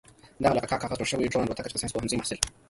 دغه له کاک کاغذه جوړه شوې ډرون الوتکه چې د ساينس پوهنځي محصل